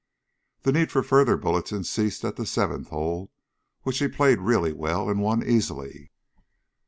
The need for further bulletins ceased at the seventh hole, which he played really well and won easily.